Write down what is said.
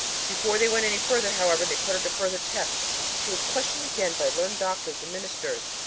Before they went any further, however, they put her to further tests and she was questioned again by learned doctors and ministers.